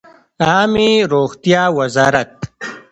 عامې روغتیا وزارت